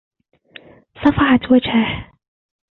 صفعت وجهه.